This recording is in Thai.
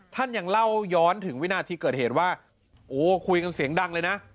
ท่านยังเล่าย้อนถึงวินาทีเกิดเหตุว่าโอ้คุยกันเสียงดังเลยนะ